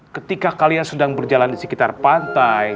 ketika kalian sedang berjalan di sekitar pantai